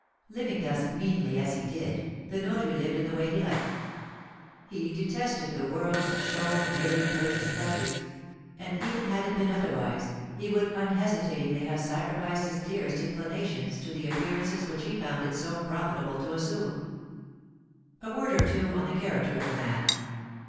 Living thus meanly as he did, the notary lived in the way he liked. He detested the world, show, dearly purchased pleasures; and, even had it been otherwise, he would unhesitatingly have sacrificed his dearest inclinations to the appearances which he found it so profitable to assume. A word or two on the character of the man.